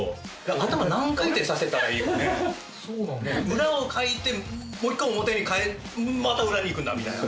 裏をかいてもう１回表に返ってまた裏に行くんだみたいな。